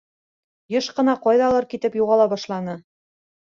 Йыш ҡына ҡайҙалыр китеп юғала башланы.